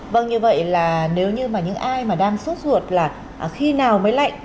vâng như vậy là nếu như mà những ai mà đang sốt ruột là khi nào mới lạnh